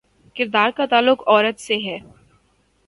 کردار کا تعلق عورت سے ہے۔